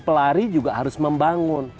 pelari juga harus membangun